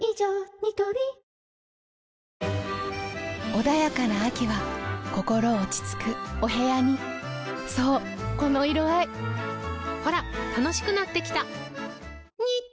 ニトリ穏やかな秋は心落ち着くお部屋にそうこの色合いほら楽しくなってきた！